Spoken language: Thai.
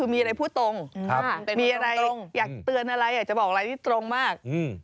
มีอะไรพูดตรงมีอะไรอยากเตือนอะไรอยากจะบอกอะไรที่ตรงมาก